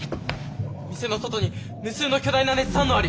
店の外に無数の巨大な熱反応あり！